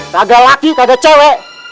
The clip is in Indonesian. kagak laki kagak cewek